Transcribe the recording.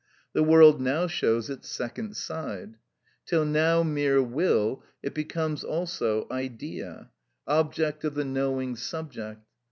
The world now shows its second side. Till now mere will, it becomes also idea, object of the knowing subject.